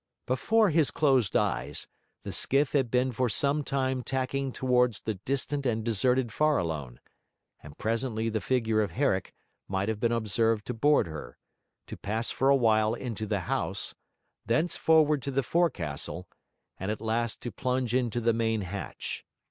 Before his closed eyes, the skiff had been for some time tacking towards the distant and deserted Farallone; and presently the figure of Herrick might have been observed to board her, to pass for a while into the house, thence forward to the forecastle, and at last to plunge into the main hatch.